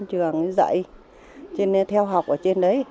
trường dạy theo học ở trên đấy